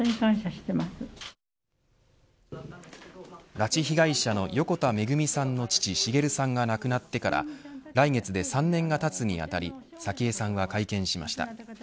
拉致被害者の横田めぐみさんの父、滋さんが亡くなってから来月で３年がたつにあたり早紀江さんは会見しました。